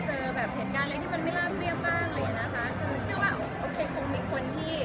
แต่ว่าที่นี่เรายังคงเป็นแสงใจมากผับพี่